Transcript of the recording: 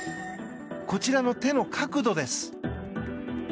こちらの手の角度です。